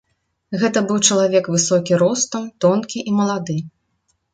Гэта быў чалавек высокі ростам, тонкі і малады.